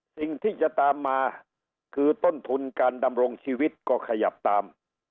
สิ่งที่จะตามมาคือต้นทุนการดำรงชีวิตก็ขยับตาม